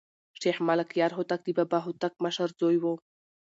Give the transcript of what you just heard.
شېخ ملکیار هوتک د بابا هوتک مشر زوى وو.